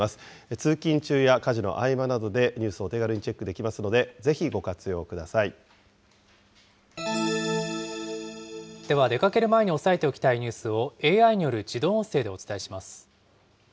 通勤中や家事の合間などでニュースをお手軽にチェックできますのでは、出かける前に押さえておきたいニュースを、ＡＩによる自動音声でお伝えします。